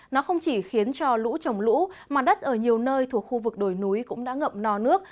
nó không chỉ khiến cho lũ trồng lũ mà đất ở nhiều nơi thuộc khu vực đồi núi cũng đã ngậm no nước